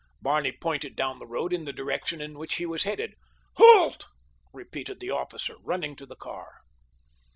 Barney pointed down the road in the direction in which he was headed. "Halt!" repeated the officer, running to the car.